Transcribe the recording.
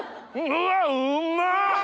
うわうまっ！